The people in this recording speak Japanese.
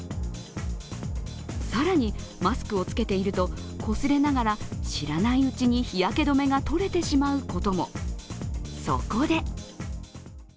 更に、マスクを着けているとこすれながら知らないうちに日焼け止めがとれてしまうことも。